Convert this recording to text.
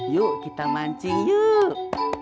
yuk kita mancing yuk